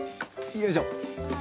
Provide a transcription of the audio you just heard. よいしょ。